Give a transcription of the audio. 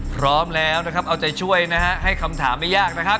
พร้อมแล้วนะครับเอาใจช่วยนะฮะให้คำถามไม่ยากนะครับ